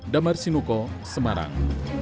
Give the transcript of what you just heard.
damar sinuko semarang